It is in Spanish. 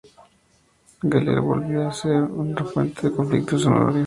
Galia volvió a ser otra vez fuente de conflictos para Honorio.